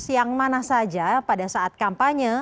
yang mana saja pada saat kampanye